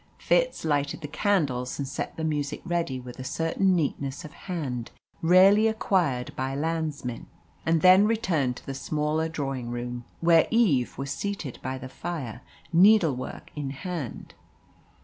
Fitz lighted the candles and set the music ready with a certain neatness of hand rarely acquired by landsmen, and then returned to the smaller drawing room, where Eve was seated by the fire, needlework in hand.